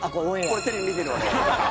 これテレビ見てる俺。